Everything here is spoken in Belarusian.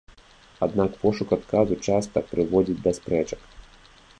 Аднак пошук адказу часта прыводзіць да спрэчак.